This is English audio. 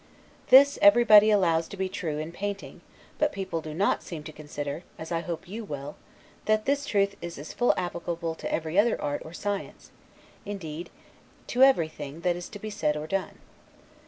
This everybody allows to be true in painting; but all people do not seem to consider, as I hope you will, that this truth is full as applicable to every other art or science; indeed to everything that is to be said or done.